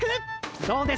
どうです？